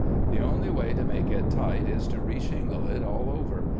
The only way to make it tight is to re shingle it all over.